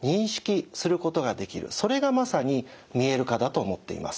それがまさに「見える化」だと思っています。